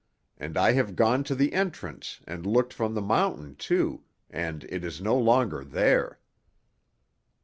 And I have gone to the entrance and looked from the mountain, too, and it is no longer there."